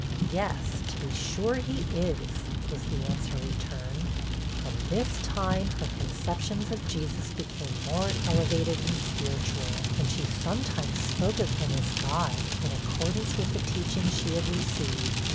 'Yes, to be sure he is,' was the answer returned. From this time, her conceptions of Jesus became more elevated and spiritual; and she sometimes spoke of him as God, in accordance with the teaching she had received.